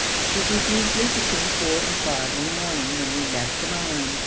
It was usually between four and five in the morning when we left the mine.